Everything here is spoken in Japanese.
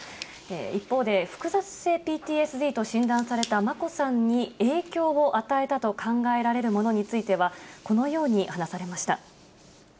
一方で、複雑性ＰＴＳＤと診断された眞子さんに影響を与えたと考えられるものについては、このように話されました。